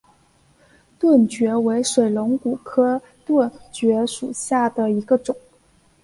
盾蕨为水龙骨科盾蕨属下的一个种。